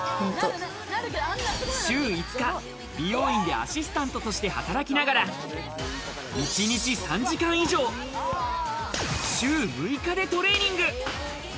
週５日、美容院でアシスタントとして働きながら、一日３時間以上週６日でトレーニング。